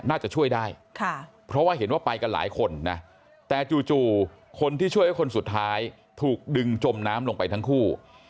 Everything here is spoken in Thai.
น่าจะช่วยได้เพราะว่าเห็นว่าไปกันหลายคนนะแต่จู่คนที่ช่วยคนสุดท้ายถูกดึงจมน้ำลงไปทั้งคู่